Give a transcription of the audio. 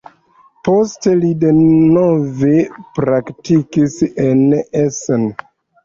Poste li denove praktikis en Essen.